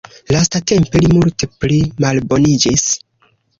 Lastatempe li multe pli malboniĝis.